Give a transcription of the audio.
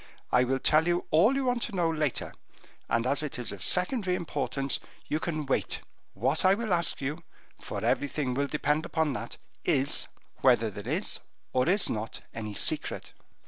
I will tell you all you want to know later, and as it is of secondary importance, you can wait. What I ask you for everything will depend upon that is, whether there is or is not any secret?"